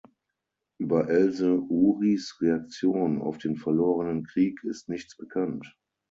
Über Else Urys Reaktion auf den verlorenen Krieg ist nichts bekannt.